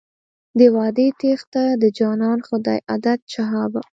د وعدې تېښته د جانان خو دی عادت شهابه.